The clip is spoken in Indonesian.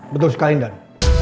betul sekali dan